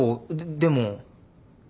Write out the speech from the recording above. でも。